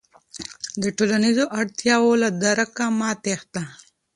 د ټولنیزو اړتیاوو له درکه مه تېښته.